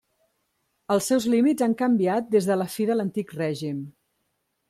Els seus límits han canviat des de la fi de l'Antic Règim.